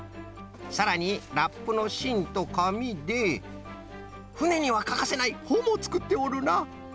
さらにラップのしんとかみでふねにはかかせないほもつくっておるな。